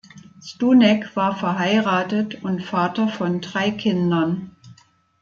Sdunek war verheiratet und Vater von drei Kindern.